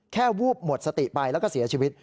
วูบหมดสติไปแล้วก็เสียชีวิต